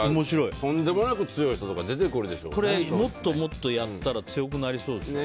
とんでもなく強い人とかこれ、もっとやったら強くなりそうですよね。